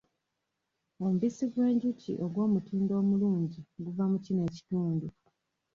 Omubisi gw'enjuki ogw'omutindo omulungi guva mu kino ekitundu.